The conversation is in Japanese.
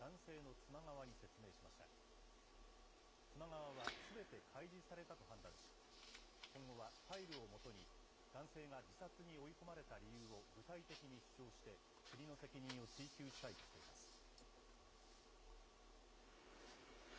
妻側は、すべて開示されたと判断し、今後はファイルをもとに、男性が自殺に追い込まれた理由を具体的に主張して、国の責任を追及したいとしています。